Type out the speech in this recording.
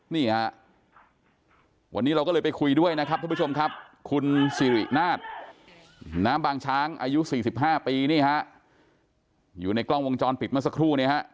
นี่ฮะวันนี้เราก็เลยไปคุยด้วยนะครับทุกผู้ชมครับคุณสิรินาทน้ำบางช้างอายุ๔๕ปีนี่ฮะอยู่ในกล้องวงจรปิดเมื่อสักครู่เนี่ยฮะ